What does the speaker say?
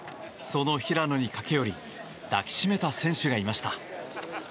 その平野に駆け寄り抱き締めた選手がいました。